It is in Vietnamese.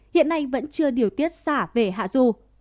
hiện nay vẫn chưa điều tiết xả về hạ du